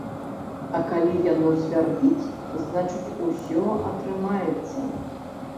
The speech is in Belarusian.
А калі яно свярбіць, значыць, усё атрымаецца.